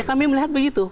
ya kami melihat begitu